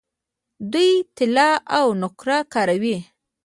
دوی طلا او نقره کاروي.